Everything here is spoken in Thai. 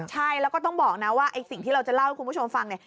ใช่แล้วก็ต้องบอกนะว่าไอ้สิ่งที่เราจะเล่าให้คุณผู้ชมฟังเนี่ย